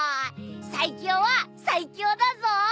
最強は最強だぞ！